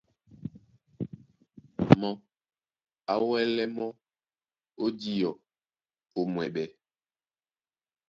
Na mɔ́ á wɛ́lɛ mɔ́ ó díɔ ó mwɛɓɛ́.